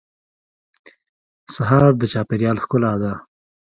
سهار د چاپېریال ښکلا ده.